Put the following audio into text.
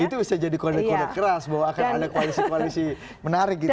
itu bisa jadi kode kode keras bahwa akan ada koalisi koalisi menarik gitu